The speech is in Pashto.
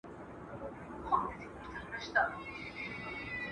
د یتیم په سر لاس کشول زړه نرموي